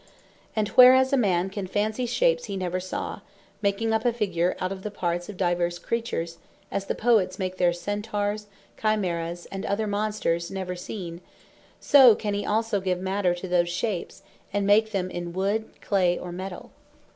Fictions; Materiall Images And whereas a man can fancy Shapes he never saw; making up a Figure out of the parts of divers creatures; as the Poets make their Centaures, Chimaeras, and other Monsters never seen: So can he also give Matter to those Shapes, and make them in Wood, Clay or Metall.